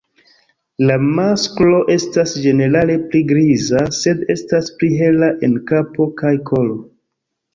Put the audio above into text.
La masklo estas ĝenerale pli griza, sed estas pli hela en kapo kaj kolo.